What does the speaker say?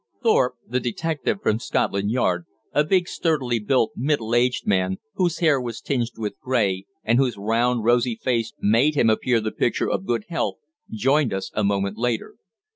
Thorpe, the detective from Scotland Yard, a big, sturdily built, middle aged man, whose hair was tinged with grey, and whose round, rosy face made him appear the picture of good health, joined us a moment later.